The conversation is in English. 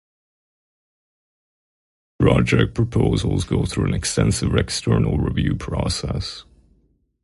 Project proposals go through an extensive external review process.